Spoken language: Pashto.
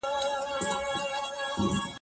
هرڅه هرڅه ته مو پام وو